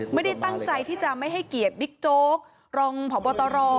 ไม่ได้ตั้งใจที่จะไม่ให้เกียรติบิ๊กโจ๊กรองพบตร